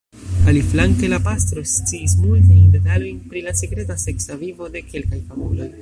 Aliflanke, la pastro sciis multajn detalojn pri la sekreta seksa vivo de kelkaj famuloj.